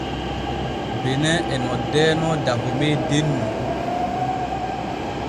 Benin e noddeeno Dahome denno.